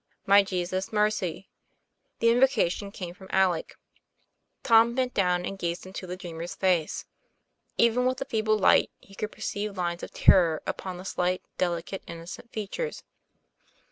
'My Jesus, mercy!" The invocation came from Alec. Tom bent down and gazed into the dreamer's face. Even with the feeble light, he could perceive lines of terror upon the slight, delicate, innocent features.